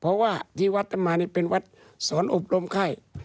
เพราะว่าที่วัดทำมานี่เป็นวัดสอนอบรมไข้